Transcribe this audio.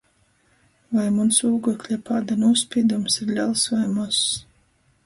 Voi muns ūglekļa pāda nūspīdums ir lels voi mozs?